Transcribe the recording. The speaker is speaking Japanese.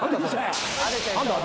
何だ？